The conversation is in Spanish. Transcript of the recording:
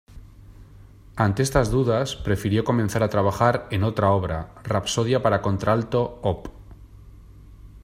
Ante estas dudas, prefirió comenzar a trabajar en otra obra, "Rapsodia para contralto", Op.